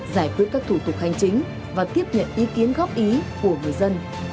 giải quyết các thủ tục hành chính và tiếp nhận ý kiến góp ý của người dân